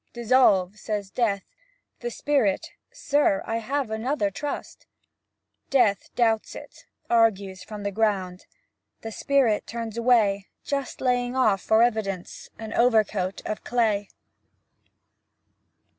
"Dissolve," says Death. The Spirit, "Sir, I have another trust." Death doubts it, argues from the ground. The Spirit turns away, Just laying off, for evidence, An overcoat of clay.